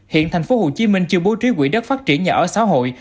hiện tp hcm chưa bố trí quỹ đất phát triển nhà ở xã hội